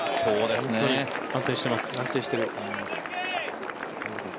本当に安定してます。